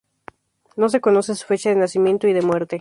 No se conoce su fecha de nacimiento y de muerte.